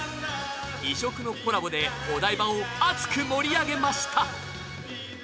異色のコラボでお台場を熱く盛り上げました。